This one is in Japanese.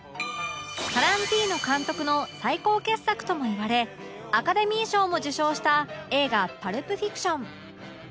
タランティーノ監督の最高傑作ともいわれアカデミー賞も受賞した映画『パルプ・フィクション』